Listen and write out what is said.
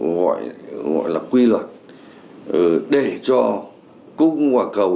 một cái tính gọi là quy luật để cho cung và cầu